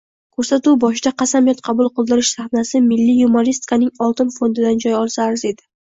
Koʻrsatuv boshida qasamyod qabul qildirish sahnasi milliy yumoristikaning oltin fondidan joy olsa arziydi.